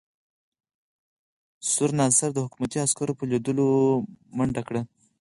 سور ناصر د حکومتي عسکرو په لیدو منډه کړه.